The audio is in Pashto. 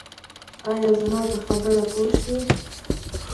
ایا زما په خبره پوه شوئ؟